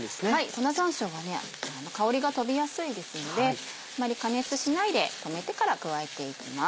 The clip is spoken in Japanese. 粉山椒は香りが飛びやすいですのであまり加熱しないで止めてから加えていきます。